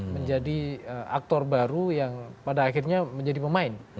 menjadi aktor baru yang pada akhirnya menjadi pemain